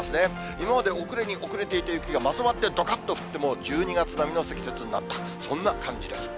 今まで遅れに遅れていた雪が、まとまってどかっと降って１２月並みの積雪になった、そんな感じです。